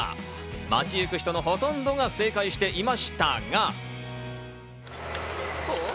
街ゆく人のほとんどが正解していましたが。